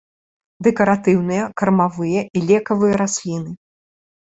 Дэкаратыўныя, кармавыя і лекавыя расліны.